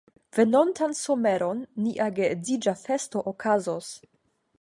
Venontan someron nia geedziĝa festo okazos.